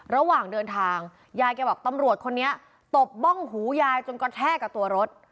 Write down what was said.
ระหว่างเดินทางยายแกบอกตำรวจคนนี้ตบบ้องหูยายจนกระแทกกับตัวรถ